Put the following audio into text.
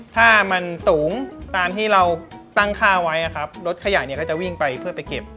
ถ้ามันสูงตามที่เราตั้งค่าไว้นะครับรถขยะเนี่ยก็จะวิ่งไปเพื่อไปเก็บ